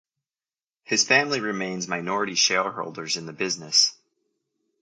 His family remain minority shareholders in the business.